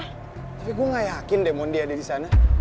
tapi gue gak yakin deh mondi ada di sana